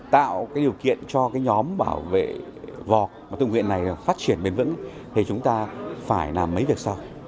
tạo điều kiện cho nhóm bảo vệ vọc tương nguyện này phát triển bền vững thì chúng ta phải làm mấy việc sao